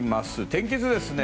天気図ですね。